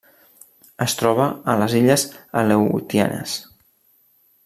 Es troba a les illes Aleutianes.